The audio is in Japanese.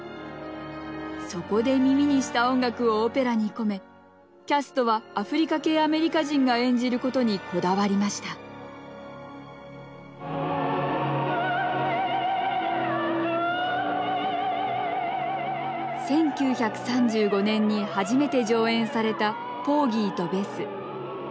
そこで耳にした音楽をオペラに込めキャストはアフリカ系アメリカ人が演じることにこだわりました１９３５年に初めて上演された「ポーギーとベス」。